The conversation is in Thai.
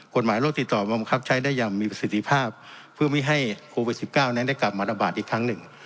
กฎหมายโรคติดต่อบังคับใช้ได้อย่างมีประสิทธิภาพเพื่อไม่ให้โควิด๑๙นั้นได้กลับมาระบาดอีกครั้งหนึ่ง